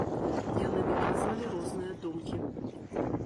Яны выказвалі розныя думкі.